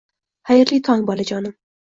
- xayrli tong, bolajonim!